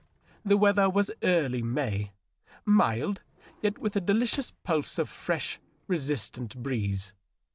The weather was early May, mild, yet with a delicious pulse of fresh, resistant breeze.